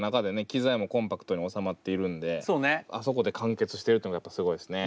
機材もコンパクトに収まっているんであそこで完結してるっていうのがやっぱすごいですね。